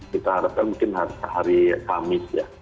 kita harapkan mungkin hari kamis ya